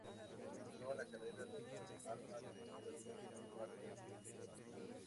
Entró en la carrera de las armas, en el Cuerpo de Guardias de Corps.